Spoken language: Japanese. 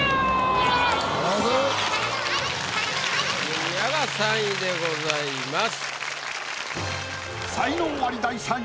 ジュニアが３位でございます。